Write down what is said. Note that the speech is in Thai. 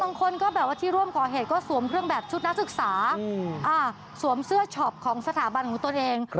บางคนก็แบบว่าที่ร่วมก่อเหตุก็สวมเครื่องแบบชุดนักศึกษาสวมเสื้อช็อปของสถาบันของตนเอง